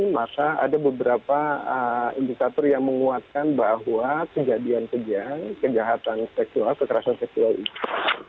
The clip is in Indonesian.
maka ada beberapa indikator yang menguatkan bahwa kejadian kejadian kejahatan seksual kekerasan seksual itu